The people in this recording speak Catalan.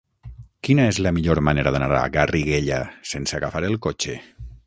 Quina és la millor manera d'anar a Garriguella sense agafar el cotxe?